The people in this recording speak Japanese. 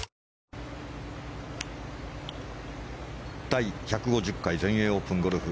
第１５０回全英オープンゴルフ。